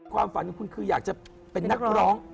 ความฝันของคุณคืออยากจะเป็นนักร้อง